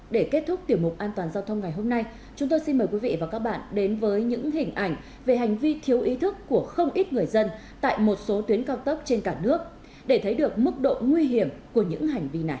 để kết thúc tiểu mục an toàn giao thông ngày hôm nay chúng tôi xin mời quý vị và các bạn đến với những hình ảnh về hành vi thiếu ý thức của không ít người dân tại một số tuyến cao tốc trên cả nước để thấy được mức độ nguy hiểm của những hành vi này